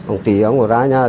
ông tỷ ông ở ra nhà